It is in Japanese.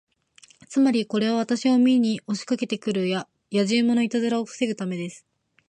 つまり、これは私を見に押しかけて来るやじ馬のいたずらを防ぐためです。